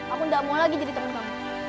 aku gak mau lagi jadi teman kamu